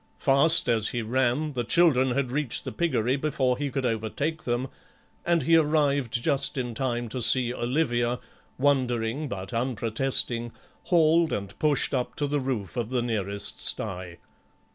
Fast as he ran the children had reached the piggery before he could overtake them, and he arrived just in time to see Olivia, wondering but unprotesting, hauled and pushed up to the roof of the nearest sty.